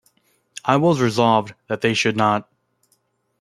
I was resolved that they should not.